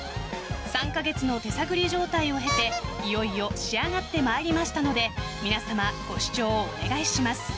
３か月の手探り状態を経ていよいよ仕上がってまいりましたので皆様、ご視聴お願いします。